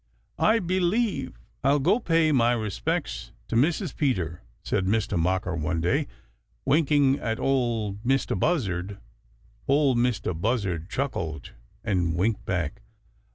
"I believe I'll go pay my respects to Mrs. Peter," said Mistah Mocker one day, winking at Ol' Mistah Buzzard. Ol' Mistah Buzzard chuckled and winked back.